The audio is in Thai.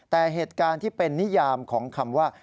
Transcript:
แต่เหตุการณ์ที่เป็นนิยามของคำว่า